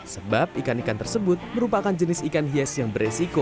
sebab ikan ikan tersebut merupakan jenis ikan hias yang beresiko